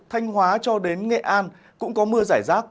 thanh hóa cho đến nghệ an cũng có mưa giải rác